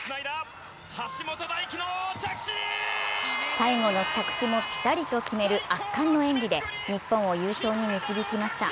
最後の着地もピタリと決める圧巻の演技で日本を優勝に導きました。